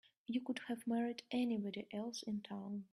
You could have married anybody else in town.